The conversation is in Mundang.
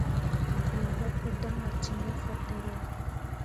Guura ko dan ah cinra fatǝro.